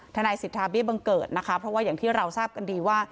ทนายสิทธาเบี้ยบังเกิดนะคะเพราะว่าอย่างที่เราทราบกันดีว่า